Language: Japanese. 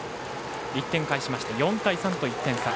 １点を返して４対３と１点差。